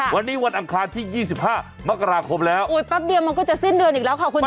วันนี้วันอังคารที่๒๕มกราคมแล้วโอ้ยแป๊บเดียวมันก็จะสิ้นเดือนอีกแล้วค่ะคุณชนะ